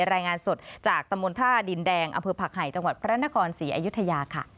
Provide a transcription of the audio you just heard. รายงานสดจากตำบลท่าดินแดงอำเภอผักไห่จังหวัดพระนครศรีอยุธยาค่ะ